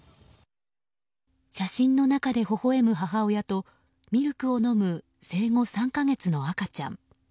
写真の中でほほ笑む母親とミルクを飲む生後３か月の赤ちゃん。